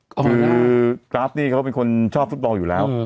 คือกราฟนี่เขาเป็นคนชอบฟุตบอลอยู่แล้ว